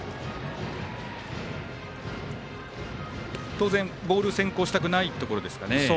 当然、ボール先行したくないところですね。